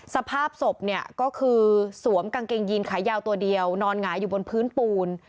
สภาพศพเนี่ยก็คือสวมกางเกงยีนขายาวตัวเดียวนอนหงายอยู่บนพื้นปูน